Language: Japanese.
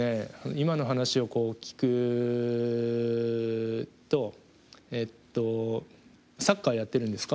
今の話を聞くとえっとサッカーやってるんですか？